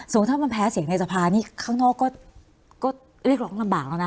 ถ้ามันแพ้เสียงในสภานี่ข้างนอกก็เรียกร้องลำบากแล้วนะ